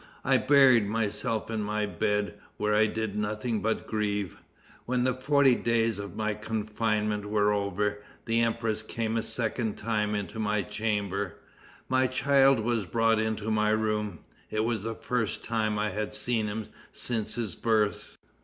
I buried myself in my bed, where I did nothing but grieve. When the forty days of my confinement were over, the empress came a second time into my chamber. My child was brought into my room; it was the first time I had seen him since his birth."